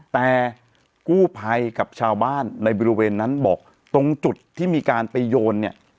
แต่กู้ภัยกับชาวบ้านในบริเวณนั้นบอกตรงจุดที่มีการไปโยนเนี่ย